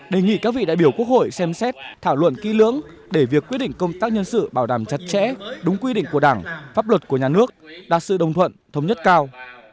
vì các vị đại biểu quốc hội xem xét thảo luận kỳ lưỡng để việc quyết định công tác nhân sự bảo đảm chặt chẽ đúng quy định của đảng pháp luật của nhà nước đa sư đồng thuận thống nhất cao